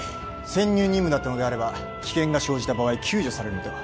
潜入任務だったのであれば危険が生じた場合救助されるのでは？